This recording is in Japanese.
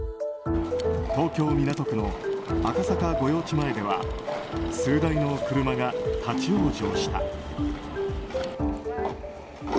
東京・港区の赤坂御用地前では数台の車が立ち往生した。